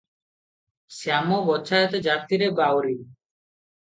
ଶ୍ୟାମ ଗୋଚ୍ଛାଇତ ଜାତିରେ ବାଉରୀ ।